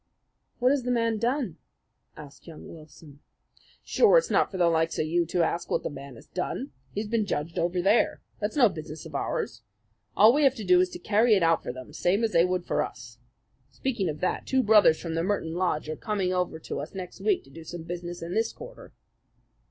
"What has the man done?" asked young Wilson. "Sure, it's not for the likes of you to ask what the man has done. He has been judged over there. That's no business of ours. All we have to do is to carry it out for them, same as they would for us. Speaking of that, two brothers from the Merton lodge are coming over to us next week to do some business in this quarter."